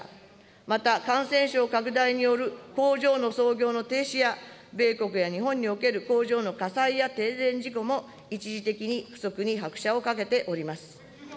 また感染症拡大による工場の操業の停止や、米国や日本における工場の火災や停電事故も、一時的に不足に拍車をかけております。